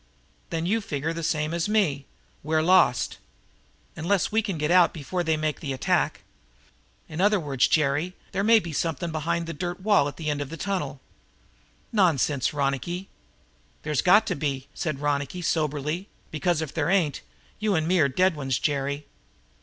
"Then you figure the same as me we're lost?" "Unless we can get out before they make the attack. In other words, Jerry, there may be something behind the dirt wall at the end of the tunnel." "Nonsense, Ronicky." "There's got to be," said Ronicky very soberly, "because, if there ain't, you and me are dead ones, Jerry.